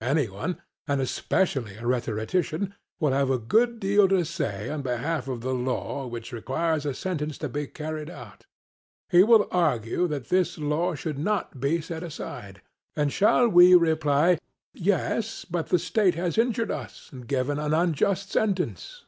Any one, and especially a rhetorician, will have a good deal to say on behalf of the law which requires a sentence to be carried out. He will argue that this law should not be set aside; and shall we reply, 'Yes; but the state has injured us and given an unjust sentence.'